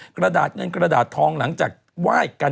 กระดาษเงินกระดาษทองหลังจากไหว้กัน